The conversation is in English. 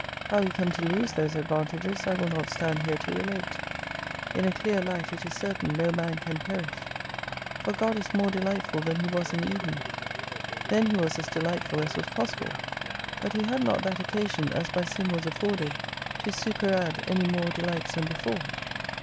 Row we come to lose those advantages I will not stand here to relate. In a clear light it is certain no man can perish. For God is more delightful than He was in Eden. Then He was as delightful as was possible, but he had not that occasion, as by Sin was afforded, to superadd many more delights than before.